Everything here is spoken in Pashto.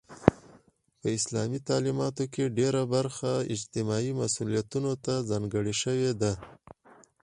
په اسلامي تعلیماتو کې ډيره برخه اجتماعي مسئولیتونو ته ځانګړې شوی ده.